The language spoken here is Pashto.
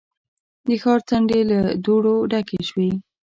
د ښار څنډې له دوړو ډکې شوې.